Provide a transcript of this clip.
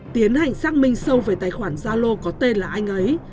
tiến hành xác minh sâu về tài khoản zalo có tên là anh ấy